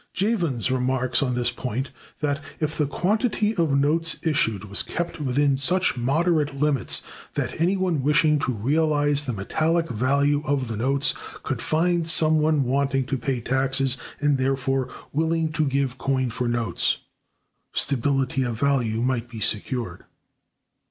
Jevons remarks on this point(247) that, if "the quantity of notes issued was kept within such moderate limits that any one wishing to realize the metallic value of the notes could find some one wanting to pay taxes, and therefore willing to give coin for notes," stability of value might be secured.